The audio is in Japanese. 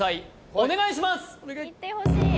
お願いします！